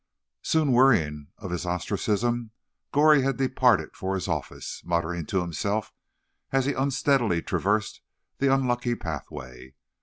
Soon wearying of his ostracism, Goree had departed for his office, muttering to himself as he unsteadily traversed the unlucky pathway.